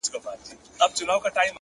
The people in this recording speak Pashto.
عاجزي د شخصیت ښکلا ده,